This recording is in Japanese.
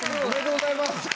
おめでとうございます！